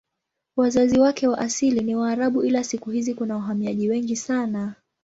Wakazi wake wa asili ni Waarabu ila siku hizi kuna wahamiaji wengi sana.